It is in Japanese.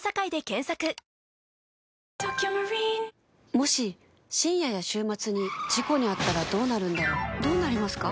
もし深夜や週末に事故に遭ったらどうなるんだろうどうなりますか？